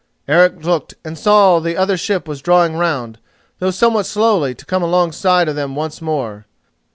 Eric looked and saw that the other ship was drawing round, though somewhat slowly, to come alongside of them once more.